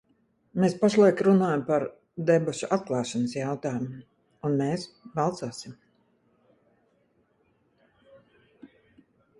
Mēs pašlaik runājam par debašu atklāšanas jautājumu, un mēs balsosim.